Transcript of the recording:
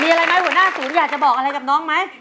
มีอะไรไหมหัวหน้าศูนย์อยากจะบอกอะไรกับน้องไหม